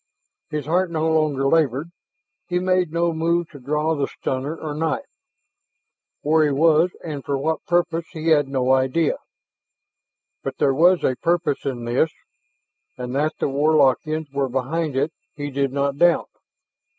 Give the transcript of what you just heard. His heart no longer labored; he made no move to draw the stunner or knife. Where he was and for what purpose, he had no idea. But there was a purpose in this and that the Warlockians were behind it, he did not doubt.